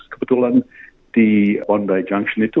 kebetulan di honda junction itu